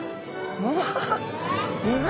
うわ！